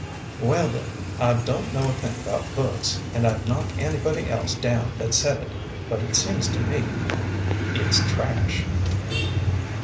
"Well, then, I don't know a thing about books, and I'd knock anybody else down that said it, but it seems to me it's trash."